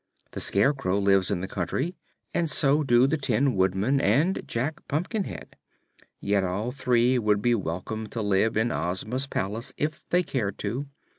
The Scarecrow lives in the country, and so do the Tin Woodman and Jack Pumpkinhead; yet all three would be welcome to live in Ozma's palace if they cared to.